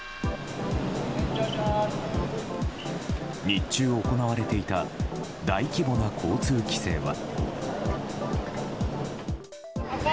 日中行われていた大規模な交通規制は。